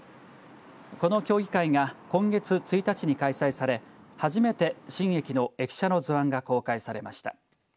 この協議会が今月１日に開催され初めて新駅の駅舎の図案が公開されました。